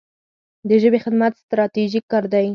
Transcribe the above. د ژبې خدمت ستراتیژیک کار دی.